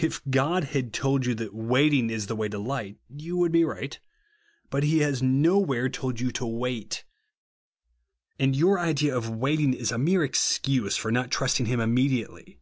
If God had told yon that wait ing is the way to light, you would bo right. But he has nowhere told you to wait ; and your idea of waiting is a mere excuse for not trusting him immediately.